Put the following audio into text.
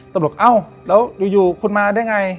ต้องบอกเอ้าแล้วอยู่คุณมาได้ไง